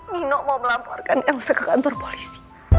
nino mau melaporkan elsa ke kantor polisi